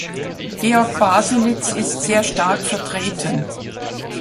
Georg Baselitz ist sehr stark vertreten.